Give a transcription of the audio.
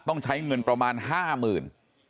ต้องใช้เงินประมาณ๕๐๐๐บาท